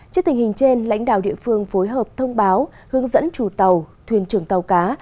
trước tình hình trên lãnh đạo địa phương phối hợp thông báo hướng dẫn chủ tàu thuyền trưởng tàu cá